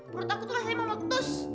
perut aku tuh rasanya memotus